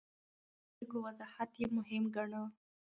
د دولتي پرېکړو وضاحت يې مهم ګاڼه.